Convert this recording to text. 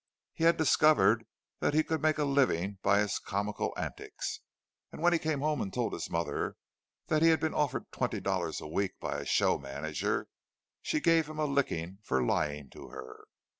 He had discovered that he could make a living by his comical antics; but when he came home and told his mother that he had been offered twenty dollars a week by a show manager, she gave him a licking for lying to her.